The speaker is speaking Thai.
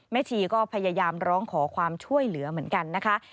ชีก็พยายามร้องขอความช่วยเหลือเหมือนกันนะคะ